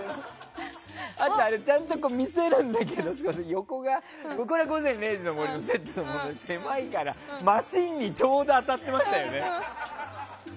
あと、ちゃんと見せるんだけど「午前０時の森」のセットが狭いから、真芯にちょうど当たってましたね。